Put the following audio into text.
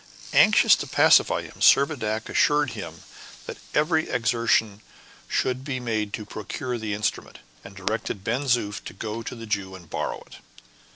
Anxious to pacify him, Servadac assured him that every exertion should be made to procure the instrument, and directed Ben Zoof to go to the Jew and borrow it.